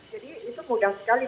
jadi itu mudah sekali